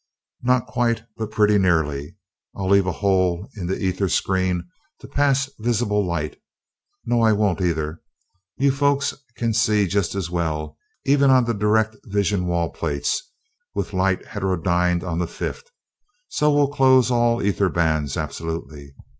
"Not quite, but pretty nearly, I'll leave a hole in the ether screen to pass visible light no, I won't either. You folks can see just as well, even on the direct vision wall plates, with light heterodyned on the fifth, so we'll close all ether bands, absolutely.